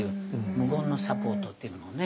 無言のサポートっていうものもね。